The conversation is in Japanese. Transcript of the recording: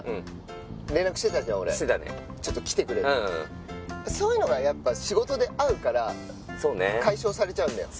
ちょっと来てくれとそういうのがやっぱ仕事で会うから解消されちゃうんだよ